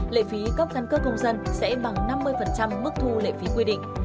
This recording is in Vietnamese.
lệ phí cấp căn cước công dân sẽ bằng năm mươi mức thu lệ phí quy định